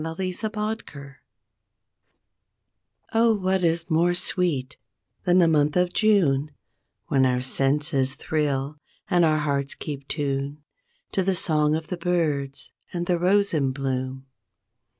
33 JUNE Oh what is more sweet than the month of June When our senses thrill and our hearts keep tune To the song of the birds and the rose in bloom?